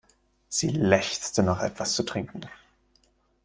Sie lechzte nach etwas zu trinken.